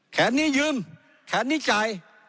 แขนนี้ยืมแขนนี้จ่าย